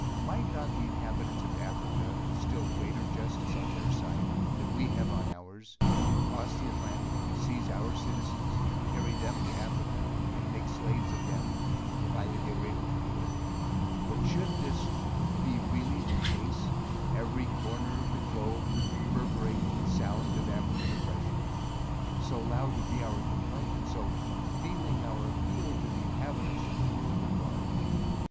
Might not the inhabitants of Africa, with still greater justice on their side, than we have on ours, cross the Atlantic, seize our citizens, carry them into Africa, and make slaves of them, provided they were able to do it? But should this be really the case, every corner of the globe would reverberate with the sound of African oppression; so loud would be our complaint, and so "feeling our appeal" to the inhabitants of the world at large.